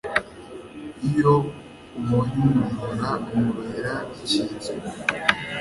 iyo ubonye umujura, umubera icyitso